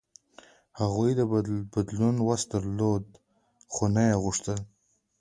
هغوی د بدلون وس درلود، خو نه یې غوښتل.